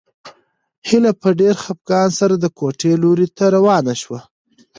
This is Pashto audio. هیله په ډېر خپګان سره د کوټې لوري ته روانه شوه.